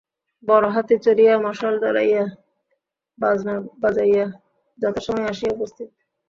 বর হাতি চড়িয়া মশাল জ্বালাইয়া বাজনা বাজাইয়া যথাসময়ে আসিয়া উপস্থিত।